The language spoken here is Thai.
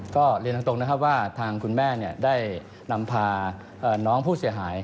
ก็เรียนตรงนะครับว่าทางคุณแม่ได้นำพาน้องผู้เสียหาย